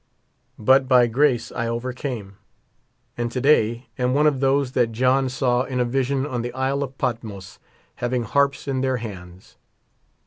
But by grace I overcame ; and to day am one of those that John saw in a vision on the Isle of Patmos having harps in their hands.